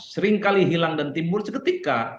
seringkali hilang dan timur seketika